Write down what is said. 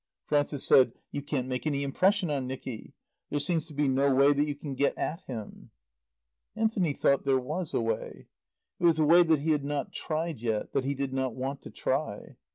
Frances said, "You can't make any impression on Nicky. There seems to be no way that you can get at him." Anthony thought there was a way. It was a way he had not tried yet, that he did not want to try.